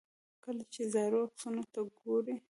کله چې زاړو عکسونو ته ګورئ.